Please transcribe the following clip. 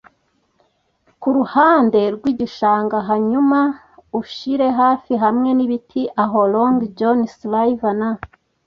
kuruhande rwigishanga, hanyuma ushire hafi hamwe nibiti, aho Long John Silver na